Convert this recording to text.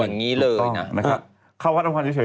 อย่างนี้เลยนะครับเข้าวัดอำพรเฉย